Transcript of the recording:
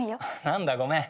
何だごめん。